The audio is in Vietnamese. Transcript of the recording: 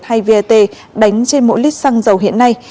hay vat đánh trên mỗi lít xăng dầu hiện nay